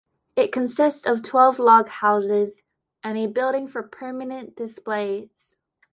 It consists of twelve log houses, and a building for permanent displays.